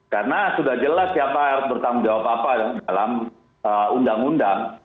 karena sudah jelas siapa yang harus bertanggung jawab apa dalam undang undang